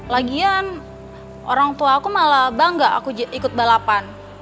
lagian orang tua aku malah bangga aku ikut balapan